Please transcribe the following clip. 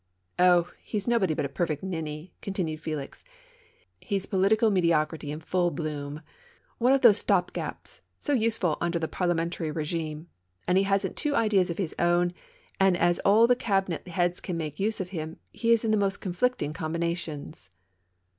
" Oh ! he's nobody, a perfect ninny," continued Felix. ^ He's political mediocrity in full bloom, one of those TWO CHARMERS. 29 stop gaps so useful under the Parliamentary regime. As be hasn't two ideas of his own and as all the cabinet heads can make use of him, he is in the most conflicting combinations."